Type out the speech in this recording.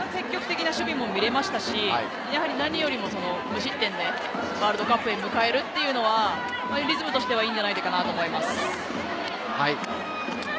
積極的な守備も見られましたし、無失点でワールドカップに迎えるというのはリズムとしてはいいんじゃないかなと思います。